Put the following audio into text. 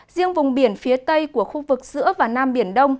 riêng vùng biển phía tây của khu vực giữa và nam biển đông